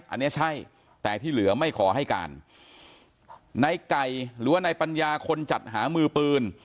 อันนี้ใช่แต่ที่เหลือไม่ขอให้การในไก่หรือว่าในปัญญาคนจัดหามือปืน